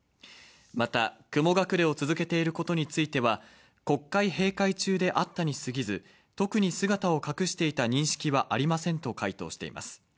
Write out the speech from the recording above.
また、雲隠れを続けていることについては、国会閉会中であったにすぎず、特に姿を隠していた認識はありませんと回答しています。